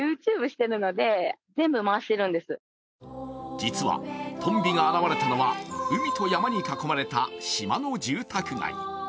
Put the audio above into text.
実はトンビが現れたのは海と山に囲まれた島の住宅街。